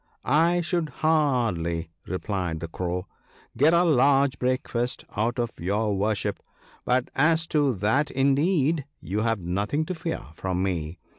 ' I should hardly/ replied the Crow, * get a large breakfast out of your worship ; but as to that indeed you have nothing to fear from me.